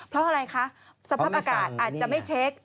เพราะอะไรคะสภาพอากาศอาจจะไม่เช็ค